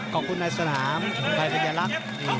ขอบคุณนายสนามใครเป็นแยรัก